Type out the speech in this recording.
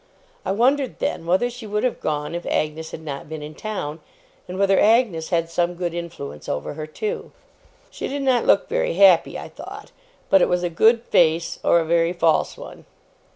I wondered then, whether she would have gone if Agnes had not been in town, and whether Agnes had some good influence over her too! She did not look very happy, I thought; but it was a good face, or a very false one.